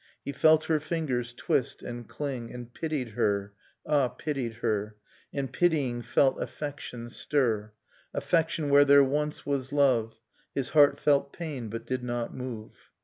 He felt her fingers twist and cling: And pitied her, — ah, pitied her! — And pitying, felt affection stir: Affection where there once was love; His heart felt pain, but did not move